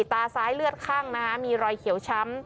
ตาซ้ายเลือดข้างมีรอยเขียวช้ำ